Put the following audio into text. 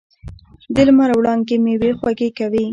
د لمر وړانګې میوې خوږې کوي.